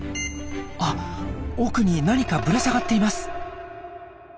あっ奥に何かぶら下がっています。